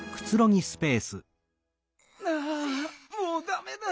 はあもうダメだ。